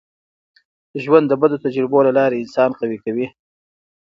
ژوند د بدو تجربو له لاري انسان قوي کوي.